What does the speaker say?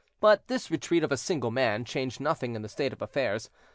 But this retreat of a single man changed nothing in the state of affairs.